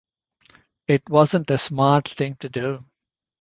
It wasn't a smart thing to do.